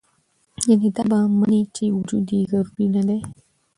يعني دا به مني چې وجود ئې ضروري نۀ دے